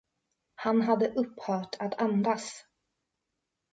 Han hade upphört att andas.